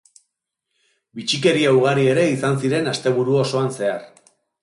Bitxikeria ugari ere izan ziren asteburu osoan zehar.